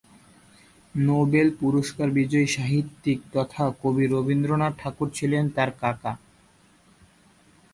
Nobel পুরস্কার বিজয়ী সাহিত্যিক তথা কবি রবীন্দ্রনাথ ঠাকুর ছিলেন তার কাকা।